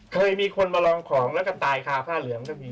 เคยมีคนมาลองของแล้วก็ตายคาผ้าเหลืองก็มี